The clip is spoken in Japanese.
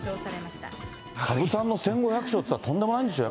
羽生さんの１５００勝っていったら、とんでもないんでしょう？